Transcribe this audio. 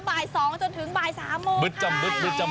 บ่าย๒จนถึงบ่าย๓โมง